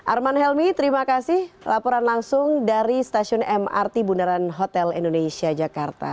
arman helmi terima kasih laporan langsung dari stasiun mrt bundaran hotel indonesia jakarta